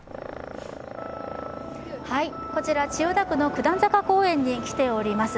こちら千代田区の九段坂公園に来ております。